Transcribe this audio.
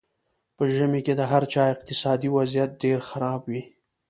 په ژمي کې د هر چا اقتصادي وضیعت ډېر خراب وي.